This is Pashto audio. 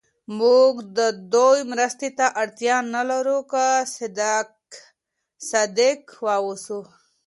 موږ د دوی مرستې ته اړتیا نه لرو که صادق واوسو.